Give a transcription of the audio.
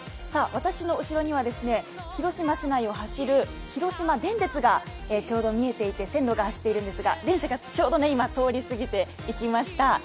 私の後ろには広島市内を走る広島電鉄がちょうど見えていて線路が走っているんですが電車がちょうど今、通り過ぎていきました。